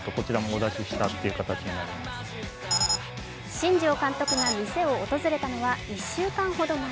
新庄監督が店を訪れたのは１週間ほど前。